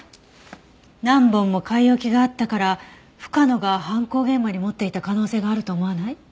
何本も買い置きがあったから深野が犯行現場に持っていった可能性があると思わない？